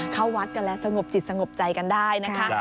เข้าวัดกันแล้วสงบจิตสงบใจกันได้นะคะ